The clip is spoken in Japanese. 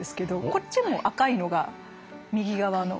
こっちも赤いのが右側の。